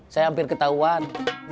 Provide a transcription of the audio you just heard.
saya hampir ketahuan